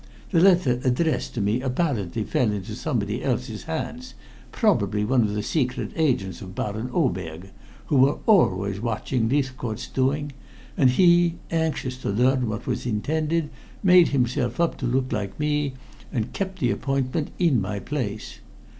The letter addressed to me apparently fell into someone else's hands probably one of the secret agents of Baron Oberg, who were always watching Leithcourt's doings, and he, anxious to learn what was intended, made himself up to look like me, and kept the appointment in my place.